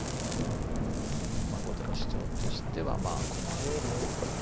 後手の主張としてはまあ駒得。